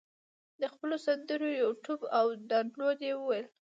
د خپلو سندرو یوټیوب او دانلود یې وویل.